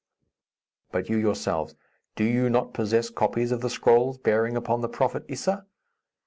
"But you, yourselves; do you not possess copies of the scrolls bearing upon the prophet Issa?"